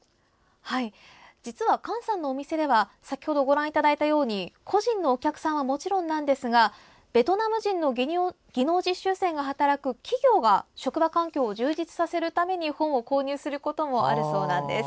実はカンさんのお店では個人のお客さんはもちろんですがベトナム人の技能実習生が働く企業が職場環境を充実させるために本を購入することもあるそうです。